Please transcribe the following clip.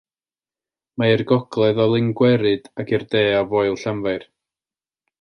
Mae i'r gogledd o Lyn Gweryd ac i'r de o Foel Llanfair.